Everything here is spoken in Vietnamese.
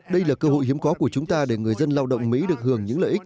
đây là cơ hội hiếm có của chúng ta để người dân lao động mỹ được hưởng những lợi ích